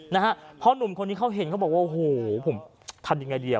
นะฮะเพราะหนุ่มคนนี้เขาเห็นเขาบอกว่าโอ้โหผมทำยังไงดีอ่ะ